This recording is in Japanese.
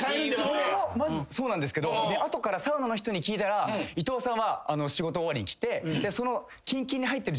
それもそうなんですけど後からサウナの人に聞いたら伊藤さんは仕事終わりに来てその近々に入ってる。